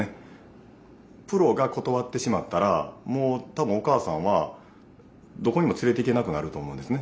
プロが断ってしまったらもう多分お母さんはどこにも連れていけなくなると思うんですね。